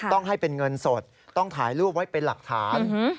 ต้องให้เป็นเงินสดต้องถ่ายรูปไว้เป็นหลักฐาน